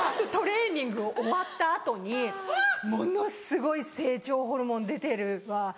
トレーニングを終わった後に「ものすごい成長ホルモン出てるわ。